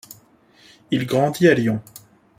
Il grandit à Lyon.